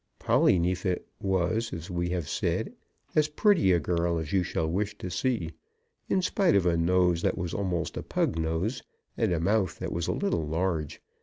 Polly Neefit was, as we have said, as pretty a girl as you shall wish to see, in spite of a nose that was almost a pug nose, and a mouth that was a little large.